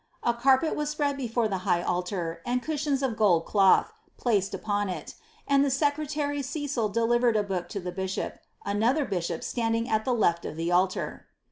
A carpet was spread before the high altar, and cushions of gold clotk placed upon it, and then secretary Cecil delivered a book to the bishopi another biihoj^ standing at the lefl of the altar.